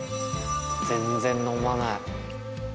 全然飲まない。